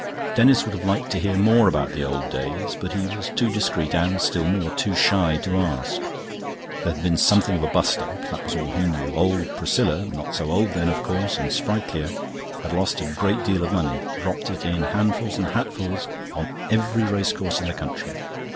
Denis would have liked to hear more about the Old Days. But he was too discreet and, still more, too shy to ask. There had been something of a bust up; that was all he knew. Old Priscilla not so old then, of course, and sprightlier had lost a great deal of money, dropped it in handfuls and hatfuls on every race course in the country.